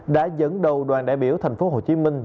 đã dẫn đầu đoàn đại biểu thành phố hồ chí minh